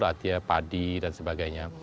latihan padi dan sebagainya